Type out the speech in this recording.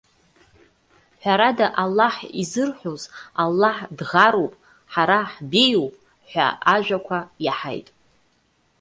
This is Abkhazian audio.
Ҳәарада, Аллаҳ изырҳәоз:- Аллаҳ дӷаруп, ҳара ҳбеиоуп!- ҳәа ажәақәа иаҳаит.